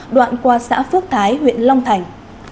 đoạn qua xã phước thái huyện long thành